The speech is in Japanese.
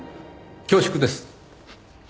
恐縮です。